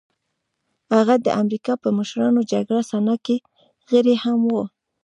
هغه د امريکا په مشرانو جرګه سنا کې غړی هم و.